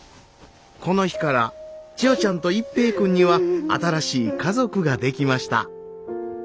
この日から千代ちゃんと一平君には新しい家族ができました。